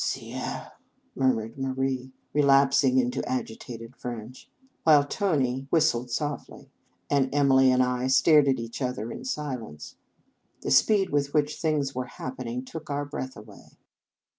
" del! " murmured Marie, relaps ing into agitated French; while Tony whistled softly, and Emily and I stared at each other in silence. The speed with which things were happening took our breath away.